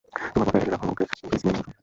তোমার পা প্যাডেলে রাখো ওকে প্লিজ নেমে এসো।